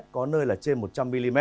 có nơi là trên một trăm linh mm